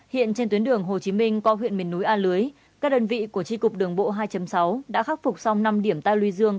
hiện trên tuyến đường hồ chí minh qua huyện miền núi a lưới các đơn vị của tri cục đường bộ hai sáu đã khắc phục xong năm điểm ta luy dương